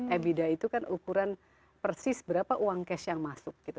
ebida itu kan ukuran persis berapa uang cash yang masuk gitu